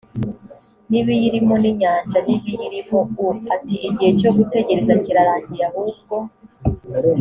n ibiyirimo n inyanja n ibiyirimo u ati igihe cyo gutegereza kirarangiye ahubwo